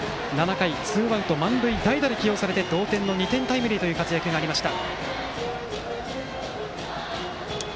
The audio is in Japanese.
回ツーアウト満塁代打で起用されて同点の２点タイムリーという活躍がありました。